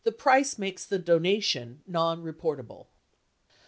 . price makes the donation non reportable."